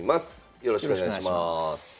よろしくお願いします。